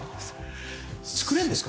作れるんですか？